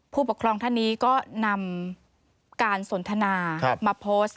ผู้ปกครองท่านนี้ก็นำการสนทนามาโพสต์